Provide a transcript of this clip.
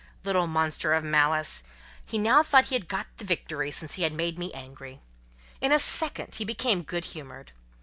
Little monster of malice! He now thought he had got the victory, since he had made me angry. In a second he became good humoured.